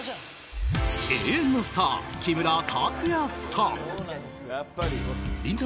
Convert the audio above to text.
永遠のスター、木村拓哉さん。